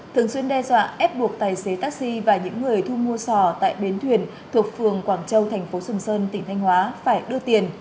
thường xuyên đe dọa ép buộc tài xế taxi và những người thu mua sò tại bến thuyền thuộc phường quảng châu thành phố sầm sơn tỉnh thanh hóa phải đưa tiền